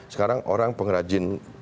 sekarang orang pengrajin